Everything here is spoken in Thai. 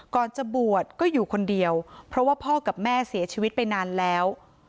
ก่อนจะบวชก็อยู่คนเดียวเพราะว่าพ่อกับแม่เสียชีวิตไปนานแล้ว